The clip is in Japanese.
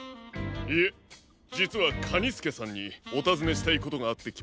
いえじつはカニスケさんにおたずねしたいことがあってきました。